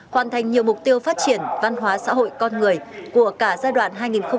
hoàn thành nhiều mục tiêu phát triển văn hóa xã hội con người của cả giai đoạn hai nghìn một mươi sáu hai nghìn hai mươi năm